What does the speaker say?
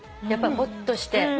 ほっとして。